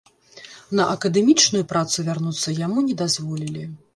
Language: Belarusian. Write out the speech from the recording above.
На акадэмічную працу вярнуцца яму не дазволілі.